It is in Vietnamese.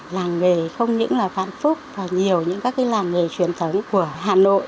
làng nghề không những là vạn phúc và nhiều những các cái làng nghề truyền thống của hà nội